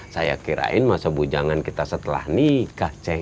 saya kirain masa bujangan kita setelah nikah ceng